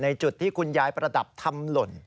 จุดที่คุณยายประดับทำหล่น